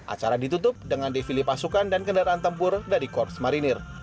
acara ditutup dengan defili pasukan dan kendaraan tempur dari korps marinir